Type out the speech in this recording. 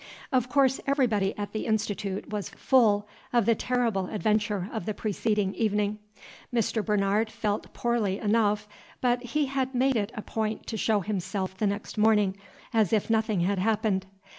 Of course everybody at the Institute was full of the terrible adventure of the preceding evening. Mr. Bernard felt poorly enough; but he had made it a point to show himself the next morning, as if nothing had happened.